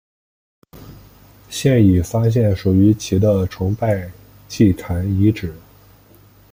现已发现属于其的崇拜祭坛遗址。